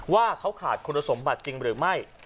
ว่าเขาขาดคุณสมบัติจริงหรือไม่